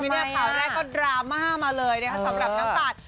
และข่าวแรกก็ดราม่ามาเลยสำหรับน้ำตาล